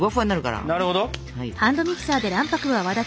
なるほど。